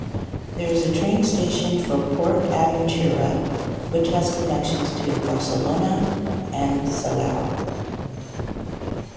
There is a train station for PortAventura which has connections to Barcelona and Salou.